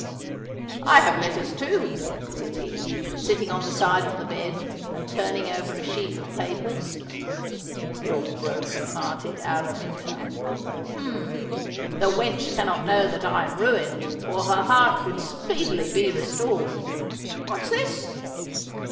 'I have letters, too,' said he, sitting on the side of the bed and turning over a sheaf of papers. '"Your broken hearted Araminta." Hum! The wench cannot know that I am ruined or her heart would speedily be restored. What's this?